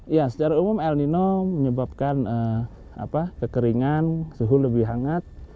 ya secara umum el nino menyebabkan kekeringan suhu lebih hangat